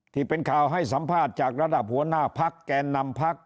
ที่เป็นข่าวให้สัมภาษณ์จากระดับหัวหน้าพักแกนนำพัก